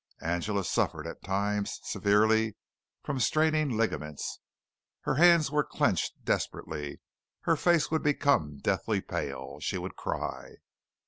Angela suffered at times severely from straining ligaments. Her hands were clenched desperately, her face would become deathly pale. She would cry.